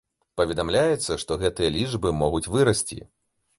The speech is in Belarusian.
Паведамляецца, што гэтыя лічбы могуць вырасці.